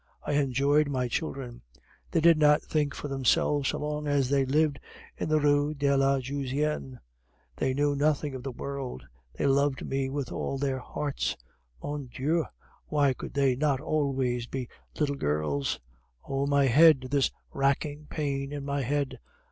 I enjoyed my children. They did not think for themselves so long as they lived in the Rue de la Jussienne; they knew nothing of the world; they loved me with all their hearts. Mon Dieu! why could they not always be little girls? (Oh! my head! this racking pain in my head!)